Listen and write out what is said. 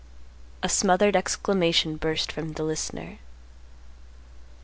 A smothered exclamation burst from the listener.